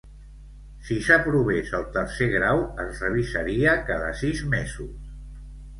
Si s'aprovés el tercer grau, es revisaria cada sis mesos.